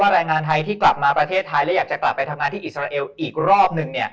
แรงงานไทยที่กลับมาประเทศไทยและอยากจะกลับไปทำงานที่อิสราเอลอีกรอบนึง